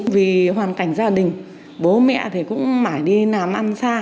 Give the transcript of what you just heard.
vì hoàn cảnh gia đình bố mẹ thì cũng mãi đi làm ăn xa